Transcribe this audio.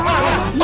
nih di situ